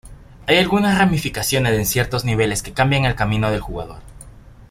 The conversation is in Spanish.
Hay algunas ramificaciones en ciertos niveles, que cambian el camino del jugador.